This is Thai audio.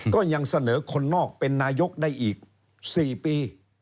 ก็ยังเสนอคนนอกเป็นนายกได้อีก๔ปี